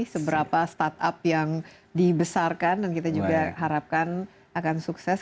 seberapa startup yang dibesarkan dan kita juga harapkan akan sukses